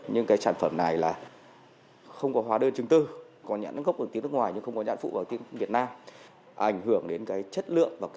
nhưng cái sản phẩm này là không có hóa đơn chứng tư có nhãn gốc ở tiếng nước ngoài nhưng không có nhãn phụ ở tiếng việt nam